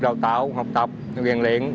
đào tạo học tập ghiền liện